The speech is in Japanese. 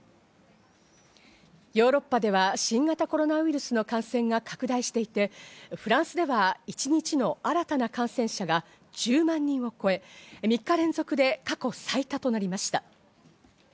ヨーロッパでは新型コロナウイルスの感染が拡大していて、フランスでは一日の新たな感染者が１０万人を超え、３日連続で過去最多となりました。